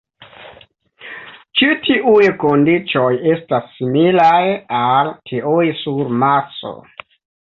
Ĉi tiuj kondiĉoj estas similaj al tiuj sur Marso.